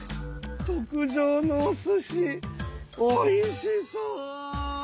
特上のおすしおいしそう！